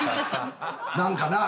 何かな